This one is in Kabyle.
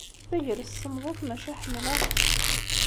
Tagrest semmḍet, maca ḥemmleɣ-tt.